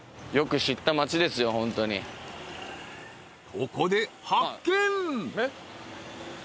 ［ここで発見］えっ？